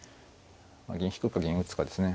銀引くか銀打つかですね。